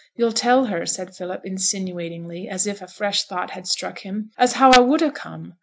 You'll tell her,' said Philip, insinuatingly, as if a fresh thought had struck him, 'as how I would ha' come.